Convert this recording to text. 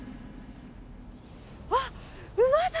あっ、馬だ。